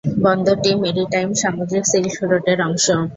বন্দরটি maritime সামুদ্রিক silk রোডের অংশ।